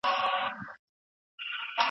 کمپيوټر قانون پلى کوي.